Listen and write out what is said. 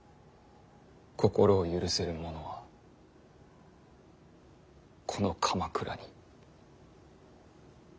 心を許せる者はこの鎌倉におらぬ。